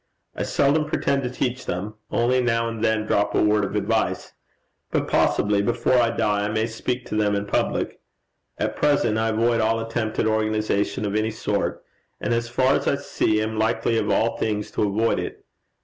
I seldom pretend to teach them only now and then drop a word of advice. But possibly, before I die, I may speak to them in public. At present I avoid all attempt at organization of any sort, and as far as I see, am likely of all things to avoid it.